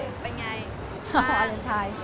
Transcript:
วานเวอร์เอนไทย